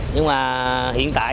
nhưng mà hiện tại